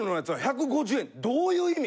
どういう意味！？